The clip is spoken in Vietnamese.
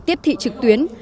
tiết tị trực tuyến